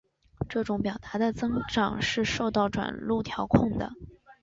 这种表达的增长是受到转录调控的。